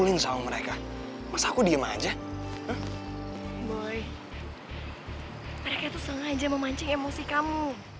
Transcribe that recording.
langsung aja memancing emosi kamu